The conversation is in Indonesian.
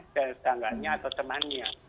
setangganya atau temannya